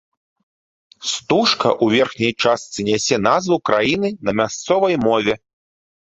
Стужка ў верхняй частцы нясе назву краіны на мясцовай мове.